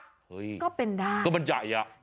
เฮ้ยก็เป็นได้ก็มันจะยักษ์